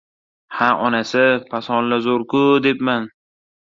«Ha, onasi, pasonla zo‘r-ku!»— debman.